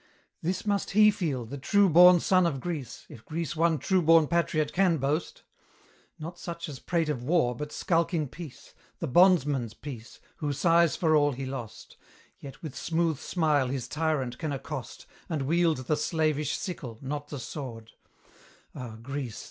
This must he feel, the true born son of Greece, If Greece one true born patriot can boast: Not such as prate of war but skulk in peace, The bondsman's peace, who sighs for all he lost, Yet with smooth smile his tyrant can accost, And wield the slavish sickle, not the sword: Ah, Greece!